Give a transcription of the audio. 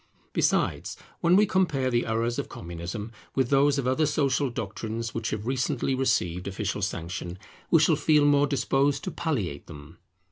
Besides, when we compare the errors of Communism with those of other social doctrines which have recently received official sanction, we shall feel more disposed to palliate them.